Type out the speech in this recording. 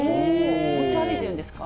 持ち歩いてるんですか？